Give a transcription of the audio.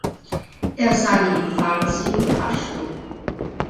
Er sang in Farsi und Paschtu.